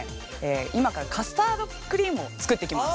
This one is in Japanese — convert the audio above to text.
今からカスタードクリームを作っていきます。